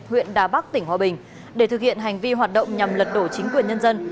huyện đà bắc tỉnh hòa bình để thực hiện hành vi hoạt động nhằm lật đổ chính quyền nhân dân